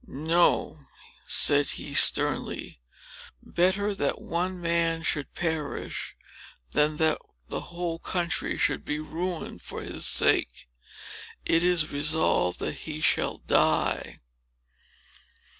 "No!" said he sternly. "Better that one man should perish, than that the whole country should be ruined for his sake. It is resolved that he shall die!"